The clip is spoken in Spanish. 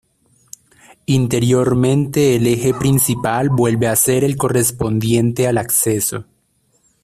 Interiormente el eje principal vuelve a ser el correspondiente al acceso.